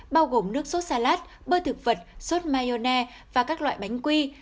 bao gồm nước sốt salad bơ thực vật sốt mayonnaise và các loại bánh quy